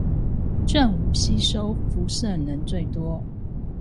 正午吸收輻射能最多